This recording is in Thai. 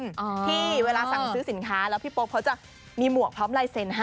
ที่เวลาสั่งซื้อสินค้าแล้วพี่โป๊ปเขาจะมีหมวกพร้อมลายเซ็นต์ให้